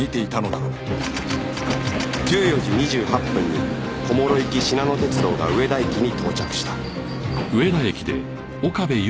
１４時２８分に小諸行きしなの鉄道が上田駅に到着した